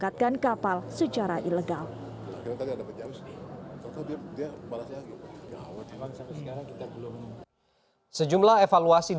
tidak ada sama sekali